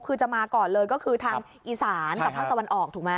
คือจะมาก่อนเลยก็คือทางอีสานกับภาคตะวันออกถูกไหม